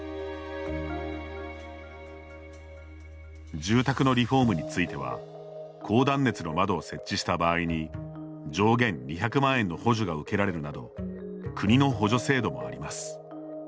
住宅のリフォームについては高断熱の窓を設置した場合に上限２００万円の補助が受けられるなど国の補助制度もあります。